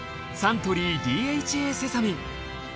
サントリーＤＨＡセサミン。